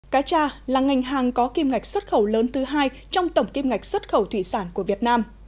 cá tra là ngành hàng có kim ngạch xuất khẩu lớn thứ hai trong tổng kim ngạch xuất khẩu thủy sản của việt nam